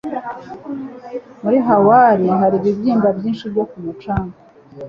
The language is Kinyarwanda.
Muri Hawaii hari ibibyimba byinshi byo ku mucanga.